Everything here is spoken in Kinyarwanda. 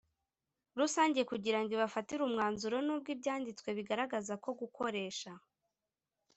rusange kugira ngo ibifatire umwanzuro N ubwo Ibyanditswe bigaragaza ko gukoresha